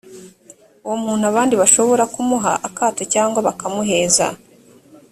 uwo muntu abandi bashobora kumuha akato cyangwa bakamuheza